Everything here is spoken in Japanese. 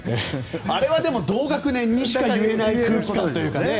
あれはでも同学年にしか言えない空気感というかね。